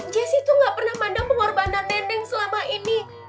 jessy tuh enggak pernah mandang pengorbanan neneng selama ini